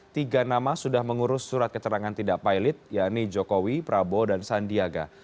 tiga nama sudah mengurus surat keterangan tidak pilot yaitu jokowi prabowo dan sandiaga